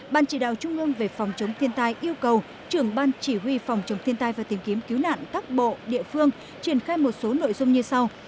ban chỉ đạo trung ương về phòng chống thiên tai yêu cầu trưởng ban chỉ huy phòng chống thiên tai và tìm kiếm cứu nạn các bộ địa phương triển khai một số nội dung như sau